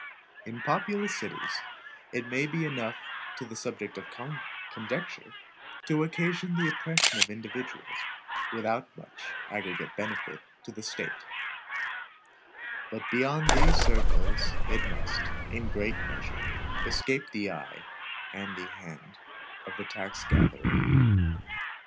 In populous cities, it may be enough the subject of conjecture, to occasion the oppression of individuals, without much aggregate benefit to the State; but beyond these circles, it must, in a great measure, escape the eye and the hand of the tax gatherer.